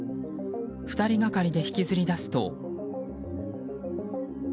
２人がかりで引きずり出すと。